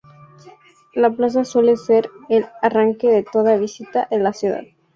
La plaza suele ser el arranque de toda visita a la ciudad.